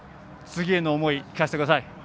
次への思い聞かせてください。